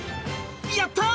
やった！